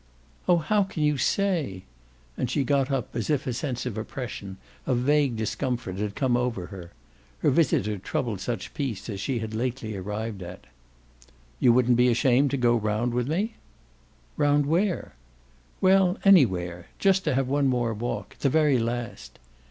"Oh how can you say?" And she got up as if a sense of oppression, of vague discomfort, had come over her. Her visitor troubled such peace as she had lately arrived at. "You wouldn't be ashamed to go round with me?" "Round where?" "Well, anywhere: just to have one more walk. The very last."